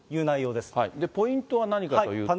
ポイントは何かというと。